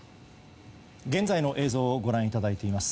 現在の映像をご覧いただいています。